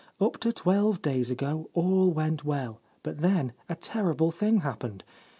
4 Up to twelve days ago all went well ; but then a terrible thing happened.